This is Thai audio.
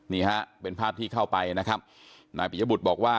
นี่ฮะเป็นภาพที่เข้าไปนะครับนายปิยบุตรบอกว่า